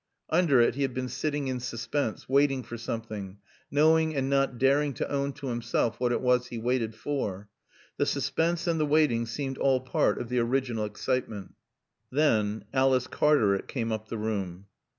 Under it he had been sitting in suspense, waiting for something, knowing and not daring to own to himself what it was he waited for. The suspense and the waiting seemed all part of the original excitement. Then Alice Cartaret came up the room.